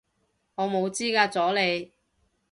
我冇資格阻你